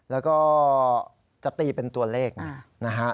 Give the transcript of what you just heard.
แล้วก็จะตีเป็นตัวเลขนะฮะ